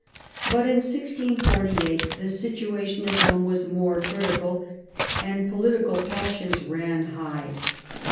But in 1648 the situation at home was more critical, and political passions ran high.